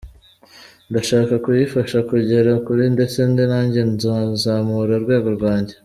Ndashaka kuyifasha kugera kure ndetse nanjye nkazamura urwego rwanjye.